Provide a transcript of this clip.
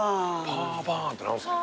パーバーンって何すか？